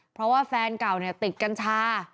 เพราะว่าแฟนเก่าเนี่ยติดกัญชา